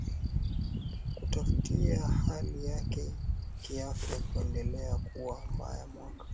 Kufuatia hali yake kiafya kuendelea kuwa mbaya mwaka